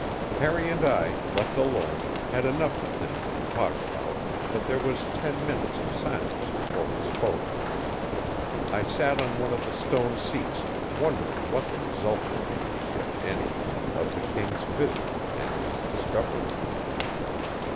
Harry and I, left alone, had enough to think and talk about, but there was ten minutes of silence before we spoke. I sat on one of the stone seats, wondering what the result would be if any of the king's visit and his discovery.